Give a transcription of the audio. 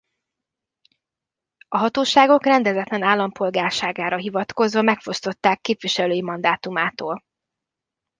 A hatóságok rendezetlen állampolgárságára hivatkozva megfosztották képviselői mandátumától.